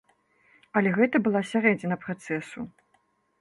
Але гэта была сярэдзіна працэсу.